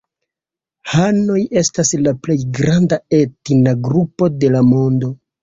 Hanoj estas la plej granda etna grupo de la mondo.